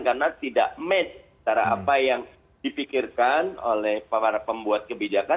karena tidak match cara apa yang dipikirkan oleh para pembuat kebijakan